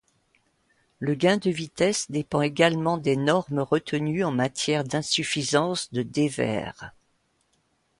Le gain de vitesse dépend également des normes retenues en matière d'insuffisance de dévers.